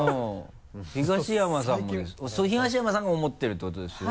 東山さんが思ってるってことですよね？